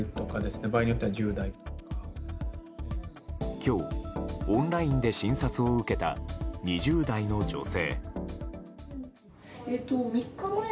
今日オンラインで診察を受けた２０代の女性。